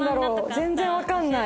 全然わかんない。